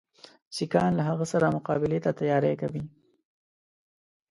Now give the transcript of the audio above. سیکهان له هغه سره مقابلې ته تیاری کوي.